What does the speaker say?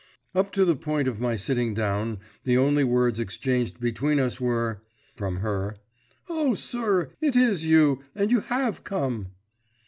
Up to the point of my sitting down the only words exchanged between us were From her: "O, sir, it is you, and you have come!"